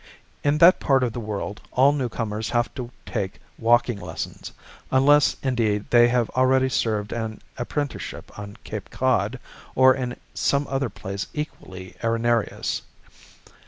In that part of the world all new comers have to take walking lessons; unless, indeed, they have already served an apprenticeship on Cape Cod, or in some other place equally arenarious.